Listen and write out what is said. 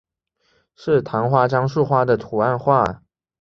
是县花樟树花的图案化。